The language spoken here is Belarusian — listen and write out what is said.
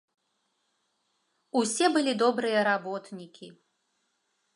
Усе былі добрыя работнікі.